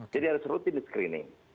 jadi harus rutin di screening